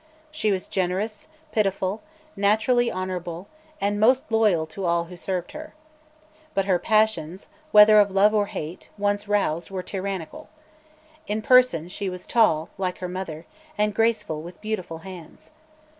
She was generous, pitiful, naturally honourable, and most loyal to all who served her. But her passions, whether of love or hate, once roused, were tyrannical. In person she was tall, like her mother, and graceful, with beautiful hands.